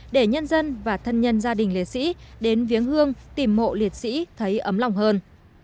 để nhân dân và thân nhân gia đình liệt sĩ đến viếng hương tìm mộ liệt sĩ thấy ấm lòng hơn